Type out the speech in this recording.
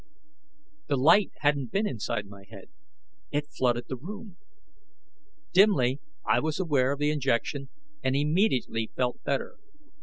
The light hadn't been inside my head: it flooded the room. Dimly, I was aware of the injection, and immediately felt better.